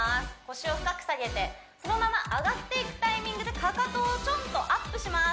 腰を深く下げてそのまま上がっていくタイミングでかかとをちょんとアップします